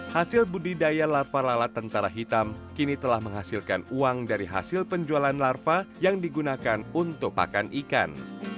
hasil budidaya lava lalat tentara hitam kini telah menghasilkan uang dari hasil penjualan larva yang digunakan untuk pakan ikan